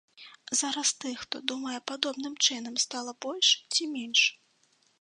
Зараз тых, хто думае падобным чынам, стала больш ці менш?